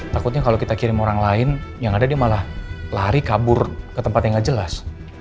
takutnya kalau kita kirim orang lain yang ada dia malah lari kabur ke tempat yang gak jelas